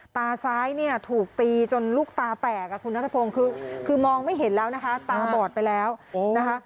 ตาซ้ายเนี่ยถูกตีจนลูกตาแตกคุณนัทพงศ์คือมองไม่เห็นแล้วนะคะตาบอดไปแล้วนะคะ